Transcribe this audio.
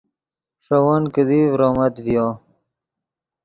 ݰے ون کیدی ڤرومت ڤیو